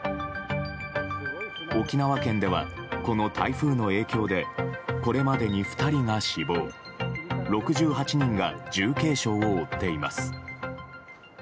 沖縄県では、この台風の影響でこれまでに２人が死亡６８人が重軽傷を負っています。